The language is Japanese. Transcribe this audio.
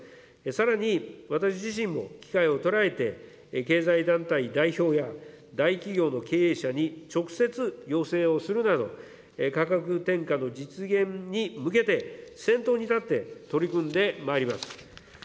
さらに、私自身も機会を捉えて、経済団体代表や、大企業の経営者に直接要請をするなど、価格転嫁の実現に向けて、先頭に立って取り組んでまいります。